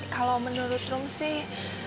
kalau menurut rum sih